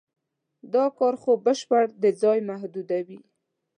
دا کار خوک بشپړاً د ځای محدودوي.